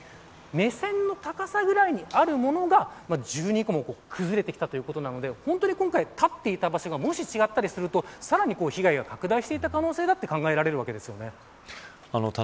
こう見ると目線の高さぐらいにあるものが１２個も崩れてきたということなので本当に、今回立っていた場所がもし違っていたらさらに被害が拡大していた可能性も考えられます。